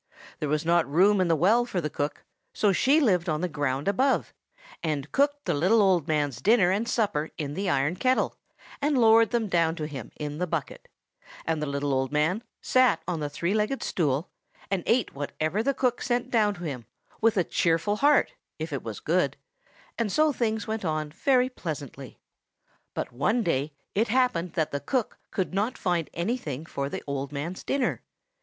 There was not room in the well for the cook; so she lived on the ground above, and cooked the little old man's dinner and supper in the iron kettle, and lowered them down to him in the bucket; and the little old man sat on the three legged stool, and ate whatever the cook sent down to him, with a cheerful heart, if it was good; and so things went on very pleasantly. "The old man thought it was raining." But one day it happened that the cook could not find anything for the old man's dinner.